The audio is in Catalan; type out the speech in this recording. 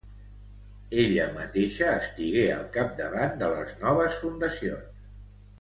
Ella mateixa estigué al capdavant de les noves fundacions.